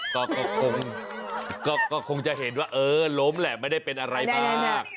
ก็คงก็คงจะเห็นว่าเออล้มแหละไม่ได้เป็นอะไรมาก